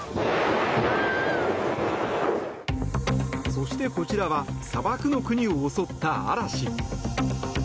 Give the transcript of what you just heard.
そして、こちらは砂漠の国を襲った嵐。